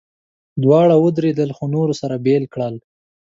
دواړه ودرېدل، خو نورو سره بېل کړل.